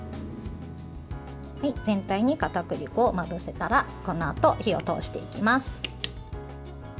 全体にかたくり粉をまぶせたらこのあと火を通していきます。